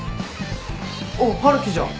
おっ春樹じゃん。